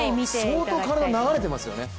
相当、体、流れてますよね。